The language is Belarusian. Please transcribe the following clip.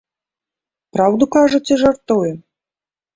Праўду кажа ці жартуе?